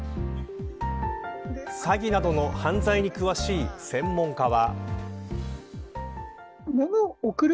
詐欺などの犯罪に詳しい専門家は。